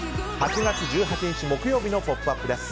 ８月１８日、木曜日の「ポップＵＰ！」です。